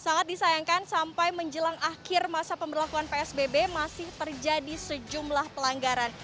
sangat disayangkan sampai menjelang akhir masa pemberlakuan psbb masih terjadi sejumlah pelanggaran